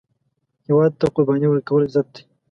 هیواد ته قرباني ورکول، عزت دی